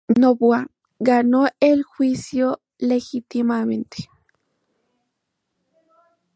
Noboa ganó el juicio legítimamente.